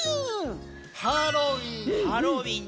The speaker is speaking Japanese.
「ハロウィン」。